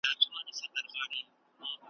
څلور واړه یې یوه یوه ګوله کړه ,